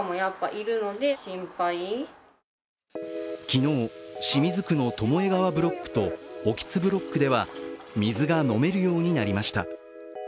昨日、清水区の巴川ブロックと興津ブロックでは、水が飲めるようになりました。